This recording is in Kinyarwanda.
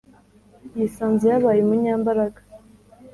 yisanze yabaye umunyambaraga